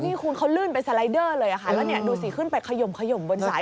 นี่คุณเขาลื่นเป็นสไลเดอร์เลยค่ะแล้วเนี่ยดูสิขึ้นไปขยมขยมบนสาย